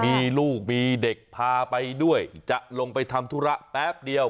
มีลูกมีเด็กพาไปด้วยจะลงไปทำธุระแป๊บเดียว